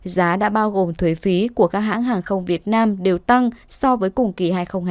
giá đã bao gồm thuế phí của các hãng hàng không việt nam đều tăng so với cùng kỳ hai nghìn hai mươi hai